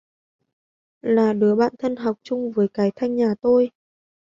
là đứa bạn thân học chung với cái thanh nhà tôi